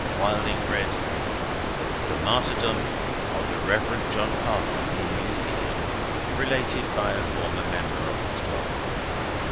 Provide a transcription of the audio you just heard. Wilding read: "The martyrdom of the Reverend John Harker in New Zealand. Related by a former member of his flock."